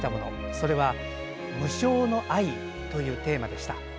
それは無償の愛というテーマでした。